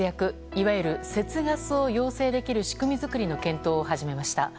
いわゆる節ガスを要請できる仕組み作りの検討を始めました。